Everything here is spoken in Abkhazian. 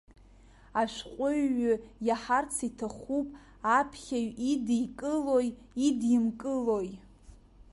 Ашәҟәыҩҩы иаҳарц иҭахуп аԥхьаҩ идикылои идимкылои.